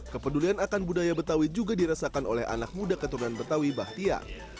kepedulian akan budaya betawi juga dirasakan oleh anak muda keturunan betawi bahtiar